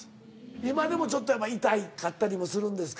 今でもちょっとやっぱ痛かったりもするんですか？